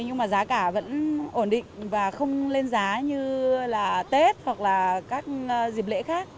nhưng mà giá cả vẫn ổn định và không lên giá như là tết hoặc là các dịp lễ khác